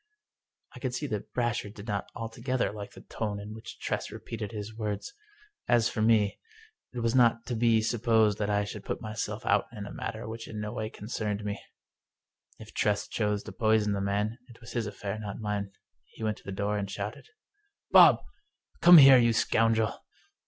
I could see that Brasher did not altogether like the tone 235 English Mystery Stories in which Tress repeated his words. As for me, it was not to be supposed that I should put myself out in a matter which in no way concerned me. If Tress chose to poison the man, it was his affair, not mine. He went to the door and shouted :" Bob ! Come here, you scoundrel